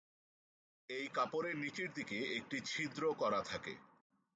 এই কাপড়ের নিচের দিকে একটি ছিদ্র করা থাকে।